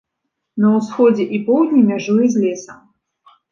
На ўсходзе і поўдні мяжуе з лесам.